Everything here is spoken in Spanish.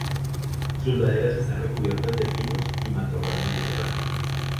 Sus laderas están recubiertas de pinos y matorral mediterráneo.